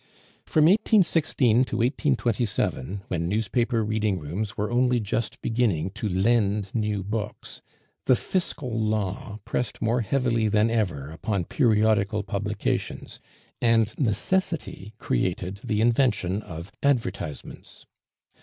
From 1816 to 1827, when newspaper reading rooms were only just beginning to lend new books, the fiscal law pressed more heavily than ever upon periodical publications, and necessity created the invention of advertisements.